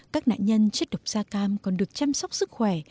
các nạn nhân chất độc da cam còn được chăm sóc sức khỏe